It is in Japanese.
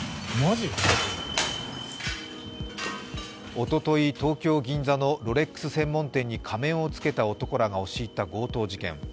おととい、東京・銀座のロレックス専門店に仮面を着けた男らが押し入った強盗事件。